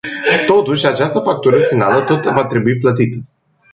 Totuși, această factură finală tot va trebui plătită.